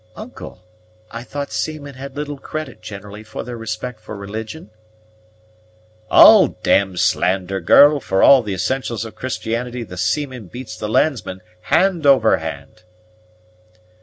"Uncle, I thought seamen had little credit generally for their respect for religion?" "All d d slander, girl; for all the essentials of Christianity the seaman beats the landsman hand over hand."